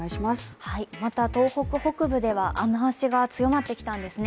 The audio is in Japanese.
また東北北部では雨脚が強まってきたんですね